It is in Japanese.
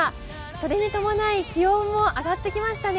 それに伴い気温も上がってきましたね。